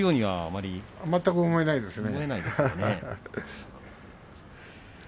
全く思えないですね。